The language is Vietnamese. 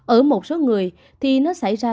ở một số người thì nó xảy ra